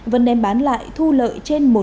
vân đem bán lại thu lợi